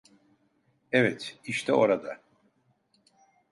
Evet, işte orada.